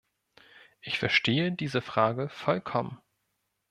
Ich verstehe diese Frage vollkommen.